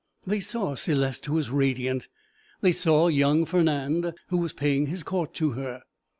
They saw Céleste, who was radiant; they saw young Fernand, who was paying his court to her.